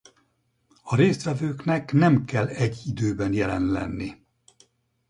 A résztvevőknek nem kell egy időben jelen lenni.